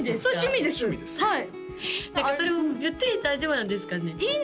はい何かそれを言って大丈夫なんですかね？